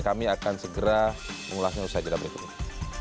kami akan segera mengulasnya usai di dalam berikutnya